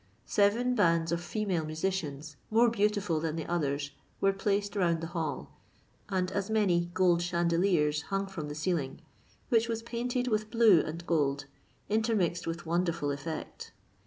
Seven bands of female musicians, more beautiful than the others, were placed round the hall, and as many gold chandeliers hung from the ceiling, which was painted with blue and gold, intermixed with wonderful effect.